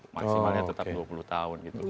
maksimalnya tetap dua puluh tahun gitu